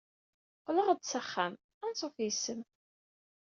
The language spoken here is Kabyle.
Qqleɣ-d s axxam. Ansuf yes-m.